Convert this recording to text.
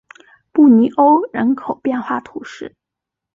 布尼欧人口变化图示